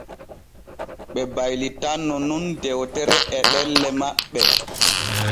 Ɓe baylitanno nun dewtere e ɗelle men.